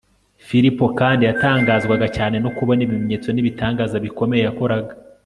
filipo kandi yatangazwaga cyane no kubona ibimenyetso n ibitangaza bikomeye yakoraga